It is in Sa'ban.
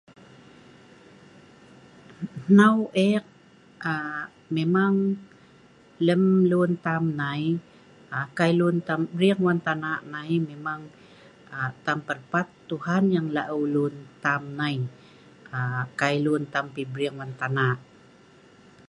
Hnau ek memang lem lun tam nai, kai lun tam briing wan tana nai, memang tam pelpat nah Tuhan laeu lun tam nai kai lun tam briing wan tana